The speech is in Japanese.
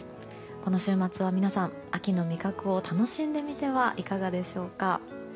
この週末は皆さん、秋の味覚を楽しんでみてはいかがでしょうか。